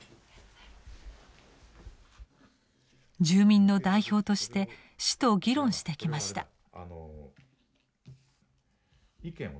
住民の代表として市と議論してきました。